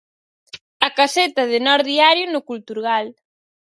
A caseta de Nós Diario no Culturgal.